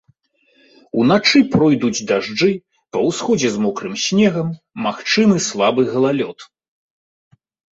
Уначы пройдуць дажджы, па ўсходзе з мокрым снегам, магчымы слабы галалёд.